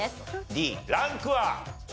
Ｄランクは？